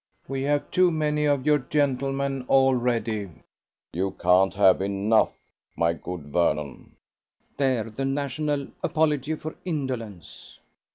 "We have too many of your gentlemen already." "You can't have enough, my good Vernon." "They're the national apology for indolence.